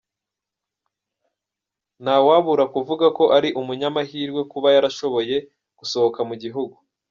Ntawabura kuvuga ko ari umunyamahirwe kuba yarashoboye gusohoka mu gihugu.